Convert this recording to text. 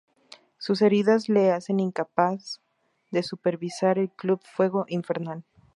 Sus heridas le hacen incapaz de supervisar el Club Fuego Infernal.